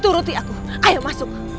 turuti aku ayo masuk